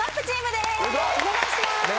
チームです。